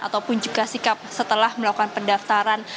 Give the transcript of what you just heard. ataupun juga sikap setelah melakukan pendaftaran